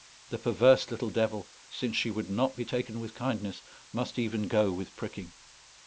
The perverse little devil, since she would not be taken with kindness, must even go with pricking.